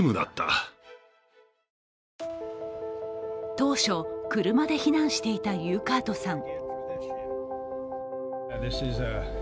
当初、車で避難していたユーカートさん。